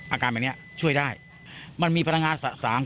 อาการแบบนี้ช่วยได้มันมีพลังงานสะสาง